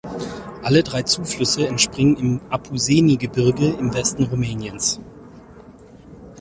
Alle drei Zuflüsse entspringen im Apuseni-Gebirge im Westen Rumäniens.